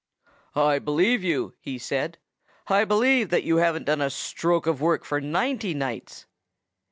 "I believe you," he said. "I believe that you haven't done a stroke of work for ninety nights."